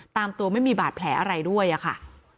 ตามตัวไม่มีบาดแผลอะไรด้วยอะค่ะ